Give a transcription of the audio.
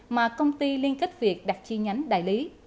mà công ty liên kết việt đặt chi nhánh đại lý